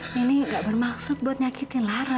nini gak bermaksud buat nyakitin lara